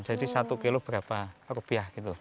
jadi satu kilo berapa rupiah gitu